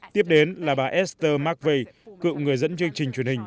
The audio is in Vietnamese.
tiếp đến là bà esther mcveigh cựu người dẫn chương trình truyền hình